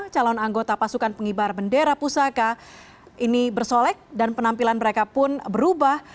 calon anggota pasukan pengibar bendera pusaka ini bersolek dan penampilan mereka pun berubah